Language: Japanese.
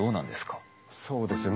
そうですね。